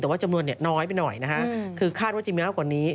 แต่ว่าจำนวนน้อยไปหน่อยนะฮะคือคาดว่าจะมีมากกว่านี้